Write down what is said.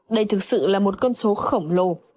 đây thực sự là một con số khổng lồ